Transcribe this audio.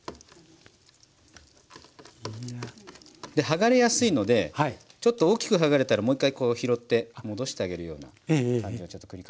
剥がれやすいのでちょっと大きく剥がれたらもう一回こう拾って戻してあげるような感じを繰り返して頂くといいですね。